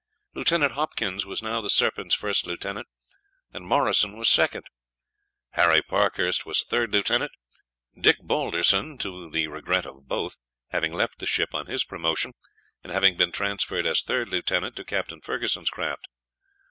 Lieutenant Hopkins was now the Serpent's first lieutenant, and Morrison was second. Harry Parkhurst was third lieutenant, Dick Balderson, to the regret of both, having left the ship on his promotion, and having been transferred as third lieutenant to Captain Ferguson's craft.